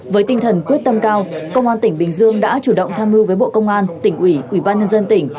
với tinh thần quyết tâm cao công an tỉnh bình dương đã chủ động tham mưu với bộ công an tỉnh ủy ủy ban nhân dân tỉnh